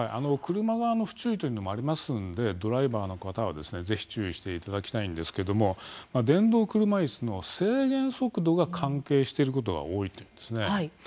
車側の不注意もありますのでドライバーの方はぜひ注意していただきたいんですけれども電動車いすの制限速度が関係していることが多いんです。